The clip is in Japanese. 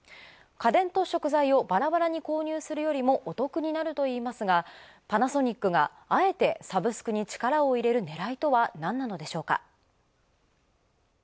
家電と食材をばらばらに購入するよりもお得になるといいますが、パナソニックがあえてサブスクに力を入れるねらいとはなんなのでしょうか。